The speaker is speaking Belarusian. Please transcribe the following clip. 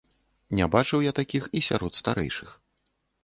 Не бачыў я такіх і сярод старэйшых.